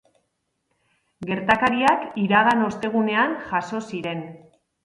Gertakariak iragan ostegunean jazo ziren.